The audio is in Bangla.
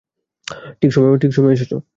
ঠিক সময়ে এসেছ।